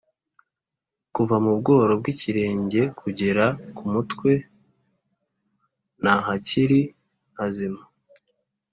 Kuva mu bworo bw’ikirenge kugera ku mutwe, nta hakiri hazima: